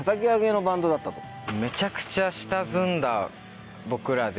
めちゃくちゃ下積んだ僕らで。